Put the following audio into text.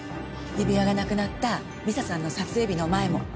指輪がなくなった美佐さんの撮影日の前も。